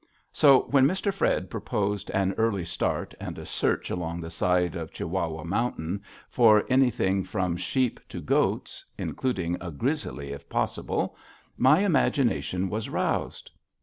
So when Mr. Fred proposed an early start and a search along the side of Chiwawa Mountain for anything from sheep to goats, including a grizzly if possible, my imagination was roused.